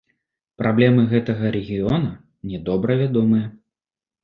Праблемы гэтага рэгіёна мне добра вядомыя.